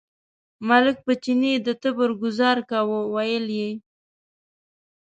ملک په چیني د تبر ګوزار کاوه، ویل یې.